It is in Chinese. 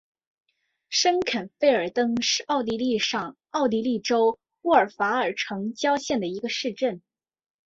申肯费尔登是奥地利上奥地利州乌尔法尔城郊县的一个市镇。